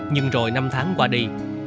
nhưng rồi năm tháng qua đi